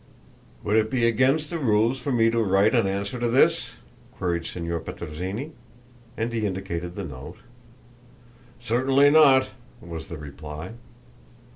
"Would it be against the rules for me to write an answer to this?" queried Signor Petrozinni, and he indicated the note. "Certainly not," was the reply.